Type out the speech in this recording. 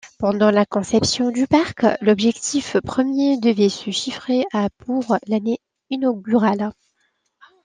Pendant la conception du parc, l'objectif premier devait se chiffrer à pour l'année inaugurale.